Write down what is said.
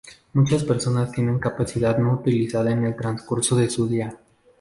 Muchas personas tienen capacidad no utilizada en el transcurso de su día.